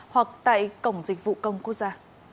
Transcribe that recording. hoặc tại cổng dịch vụ công quốc gia